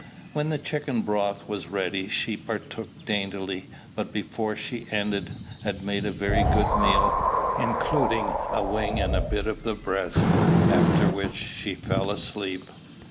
When the chicken broth was ready, she partook daintily; but before she ended had made a very good meal, including a wing and a bit of the breast; after which she fell asleep.